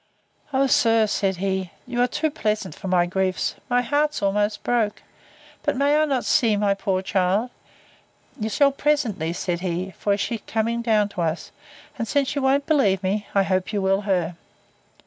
O, sir! said, he, you are too pleasant for my griefs. My heart's almost broke. But may I not see my poor child? You shall presently, said he; for she is coming down to us; and since you won't believe me, I hope you will her.